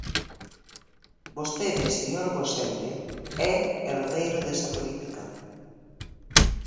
Vostede, señor Gosende, é herdeiro desa política.